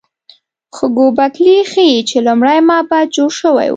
خو ګوبک لي ښيي چې لومړی معبد جوړ شوی و.